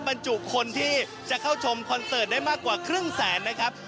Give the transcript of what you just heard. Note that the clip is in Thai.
บรรจุคนที่จะเข้าชมคอนเสิร์ตได้มากกว่าครึ่งแสนนะครับ